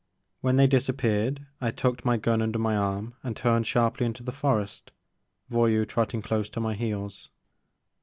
When they disap peared I tucked my gun under my arm and turned sharply into the forest, Voyou trotting close to my heels.